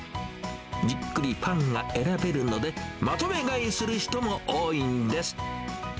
じっくりパンが選べるので、まとめ買いする人も多いんです。